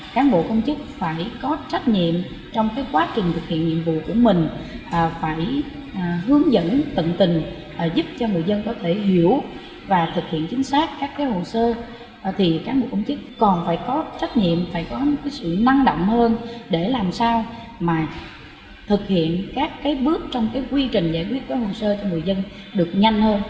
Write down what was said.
các bước trong quy trình giải quyết hồ sơ cho người dân được nhanh hơn hiệu quả hơn